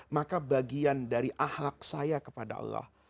maka bagian dari ahlak saya kepada allah